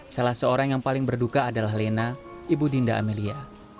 salah seorang yang paling berduka adalah lena ibu dinda amelia